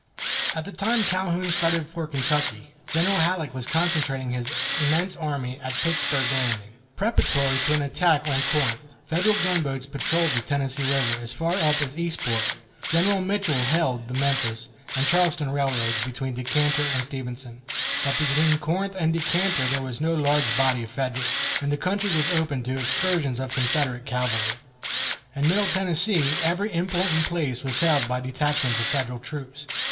At the time Calhoun started for Kentucky, General Halleck was concentrating his immense army at Pittsburg Landing, preparatory to an attack on Corinth. Federal gunboats patrolled the Tennessee River as far up as Eastport. General Mitchell held the Memphis and Charleston Railroad between Decatur and Stevenson, but between Corinth and Decatur there was no large body of Federals, and the country was open to excursions of Confederate cavalry. In Middle Tennessee every important place was held by detachments of Federal troops.